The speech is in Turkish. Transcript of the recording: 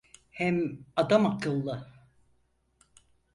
Hem adamakıllı…